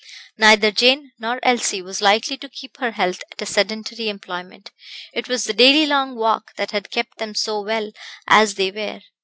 Neither Jane nor Elsie was likely to keep her health at a sedentary employment; it was the daily long walk that had kept them so well as they were.